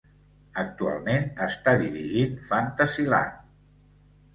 Actualment està dirigint Fantasyland.